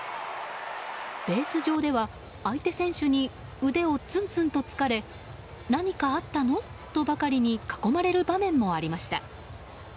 ベース上では、相手選手に腕をツンツンと突かれ何かあったの？とばかりに囲まれる場面もありました。